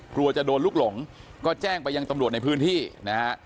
กลัวจะโดนลูกหลงก็แจ้งไปยังตำรวจในพื้นที่นะฮะ